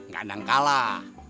gak ada yang kalah